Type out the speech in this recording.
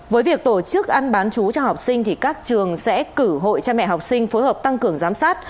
với việc tổ chức ăn bán chú cho học sinh thì các trường sẽ cử hội cha mẹ học sinh phối hợp tăng cường giám sát